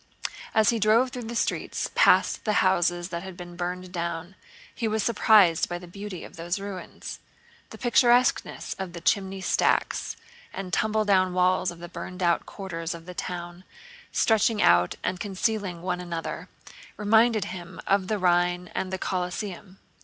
As he drove through the streets past the houses that had been burned down, he was surprised by the beauty of those ruins. The picturesqueness of the chimney stacks and tumble down walls of the burned out quarters of the town, stretching out and concealing one another, reminded him of the Rhine and the Colosseum.